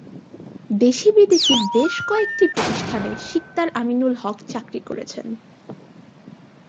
দেশী-বিদেশী বেশ কয়েকটি প্রতিষ্ঠানে সিকদার আমিনুল হক চাকরি করেছেন।